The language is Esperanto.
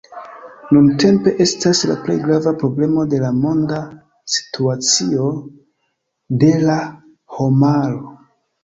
Nuntempe estas la plej grava problemo de la monda situacio de la homaro.